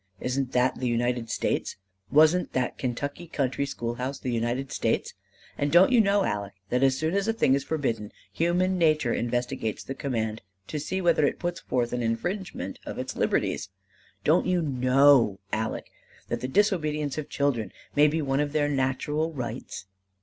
Isn't that the United States? Wasn't that Kentucky country school house the United States? And don't you know, Aleck, that as soon as a thing is forbidden, human nature investigates the command to see whether it puts forth an infringement of its liberties? Don't you know, Aleck, that the disobedience of children may be one of their natural rights?"